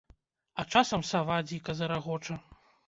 А часам сава дзіка зарагоча.